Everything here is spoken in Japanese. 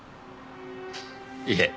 いえ。